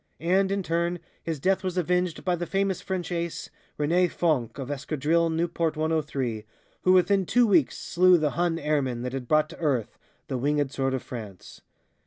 And, in turn, his death was avenged by the famous French Ace, René Fonck of Escadrille Nieuport 103, who within two weeks slew the Hun airman that had brought to earth the Wingèd Sword of France.